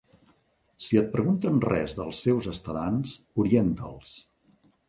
Si et pregunten res dels seus estadants, orienta'ls.